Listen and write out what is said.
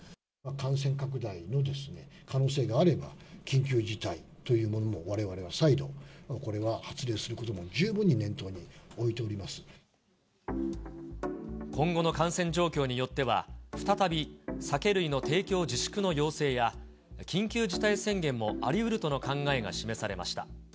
感染拡大の可能性があれば、緊急事態というものを、われわれは再度、これは発令することも十今後の感染状況によっては、再び酒類の提供自粛の要請や、緊急事態宣言もありうるとの考えが示されました。